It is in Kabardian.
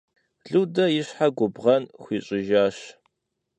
Людэ и щхьэ губгъэн хуищӀыжащ.